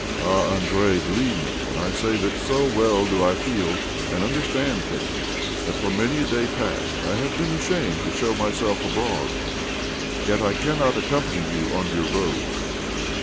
Ah, Andrei, believe me when I say that so well do I feel and OBLOMOV 295 understand things that for many a day past I have been ashamed to show myself abroad. Yet I cannot accompany you on your rojad.